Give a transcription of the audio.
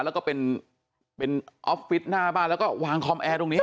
แล้วก็เป็นออฟฟิศหน้าบ้านแล้วก็วางคอมแอร์ตรงนี้